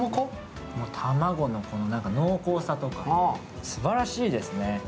もう、卵の濃厚さとかすばらしいですね。